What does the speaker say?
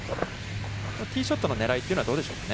ティーショットの狙いというのはどうでしょうか。